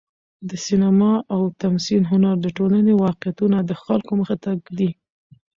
د سینما او تمثیل هنر د ټولنې واقعیتونه د خلکو مخې ته ږدي.